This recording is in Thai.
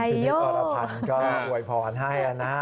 พิธีกอลภัณฑ์ก็โดยผ่อนให้นะ